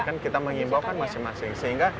ya kan kita menghimbaukan masing masing